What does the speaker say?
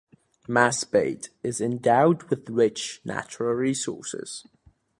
Masbate is endowed with rich natural resources.